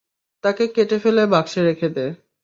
তাকে কেটে ফেলে বাক্সে রেখে দে।